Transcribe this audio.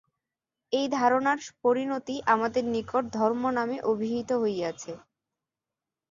এই ধারণার পরিণতিই আমাদের নিকট ধর্ম নামে অভিহিত হইয়াছে।